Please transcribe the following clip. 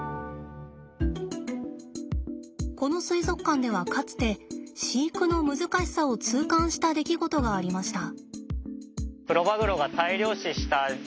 この水族館ではかつて飼育の難しさを痛感した出来事がありました。